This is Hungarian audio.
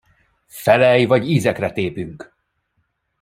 Felelj, vagy ízekre tépünk!